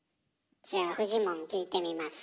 じゃあフジモン聞いてみます。